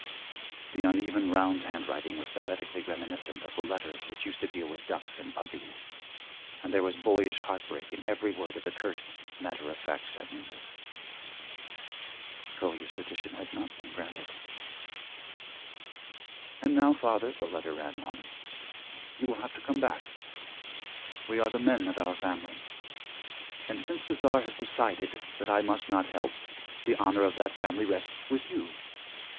The uneven round handwriting was pathetically reminiscent of the letters which used to deal with ducks and puppies, and there was boyish heartbreak in every word of the curt, matter of fact sentences. Kolya's petition had not been granted. 'And now, father,' the letter ran on, 'you will have to come back. We are the men of our family. And, since the Tsar has decided that I must not help, the honor of that family rests with you.